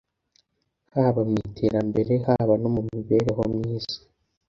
haba mu iterambere haba no mu mibereho myiza